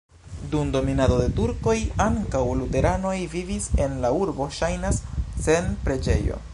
Dum dominado de turkoj ankaŭ luteranoj vivis en la urbo, ŝajnas, sen preĝejo.